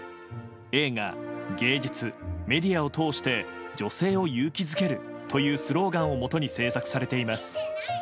映画、芸術、メディアを通して女性を勇気づけるというスローガンをもとに制作されています。